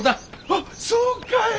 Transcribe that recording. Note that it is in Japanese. あっそうかい！